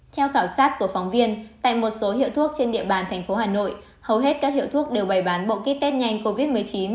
theo khảo sát của phóng viên tại một số hiệu thuốc trên địa bàn thành phố hà nội hầu hết các hiệu thuốc đều bày bán bộ kít tết test nhanh covid một mươi chín